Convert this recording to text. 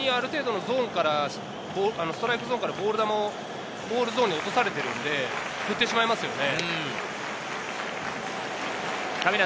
そこにある程度のゾーンからストライクゾーンからボール球をボールゾーンに落とされているので振ってしまいますよね。